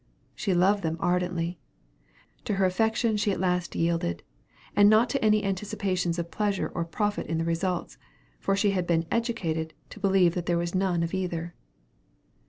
She loved them ardently. To her affection she at last yielded, and not to any anticipations of pleasure or profit in the results, for she had been educated to believe that there was none of either.